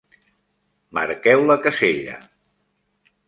Marqueu la casella